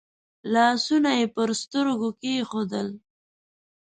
لاسونه يې پر سترګو کېښودل.